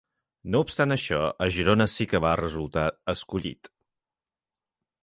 No obstant això, a Girona sí que va resultar escollit.